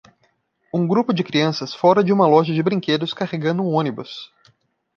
Um grupo de crianças fora de uma loja de brinquedos carregando um ônibus.